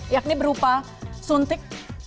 yakni berupa suntik